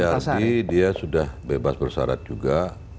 kalau wilhardi dia sudah bebas bersarat juga